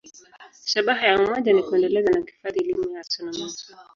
Shabaha ya umoja ni kuendeleza na kuhifadhi elimu ya astronomia.